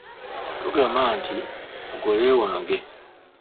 Tugama nti, mugolewange.